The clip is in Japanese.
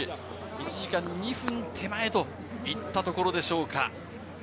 １時間２分手前といったところでしょうか。